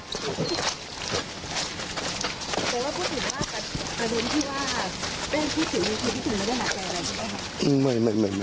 แปลว่าพูดถึงมากแต่กระดุ้นที่ว่าเป้นที่ถือวิทยุคิดวิทยุคิดว่าไม่ได้หนักใจเลยใช่ไหมครับ